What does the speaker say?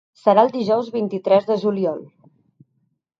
Serà el dijous vint-i-tres de juliol.